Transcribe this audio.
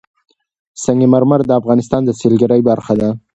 سنگ مرمر د افغانستان د سیلګرۍ برخه ده.